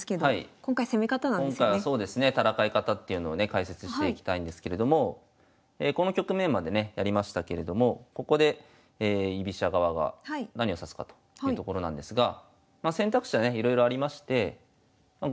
今回はそうですね戦い方っていうのをね解説していきたいんですけれどもこの局面までねやりましたけれどもここで居飛車側が何を指すかというところなんですがまあ選択肢はねいろいろありまして５